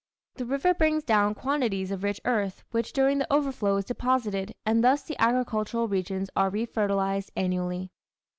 The river brings down quantities of rich earth which during the overflow is deposited, and thus the agricultural regions are refertilized annually.